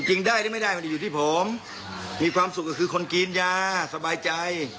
ได้หรือไม่ได้มันอยู่ที่ผมมีความสุขก็คือคนกินยาสบายใจ